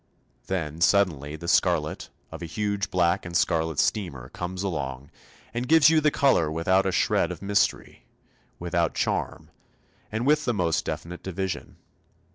Then suddenly the scarlet of a huge black and scarlet steamer comes along and gives you the colour without a shred of mystery, without charm, and with the most definite division.